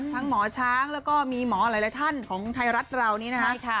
หมอช้างแล้วก็มีหมอหลายท่านของไทยรัฐเรานี้นะคะ